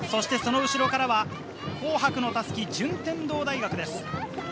その後ろからは紅白の襷、順天堂大学です。